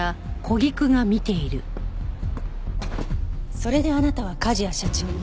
それであなたは梶谷社長に。